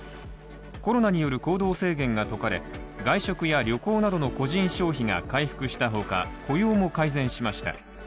コロナによる行動制限が解かれ、外食や旅行などの個人消費が回復した他雇用も改善しました。